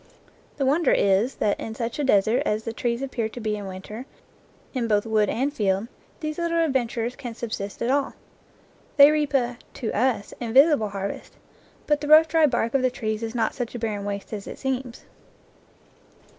The won der is that in such a desert as the trees appear to be in winter, in both wood and field, these little adven turers can subsist at all. They reap a, to us, invisible harvest, but the rough dry bark of the trees is not such a barren waste as it seems.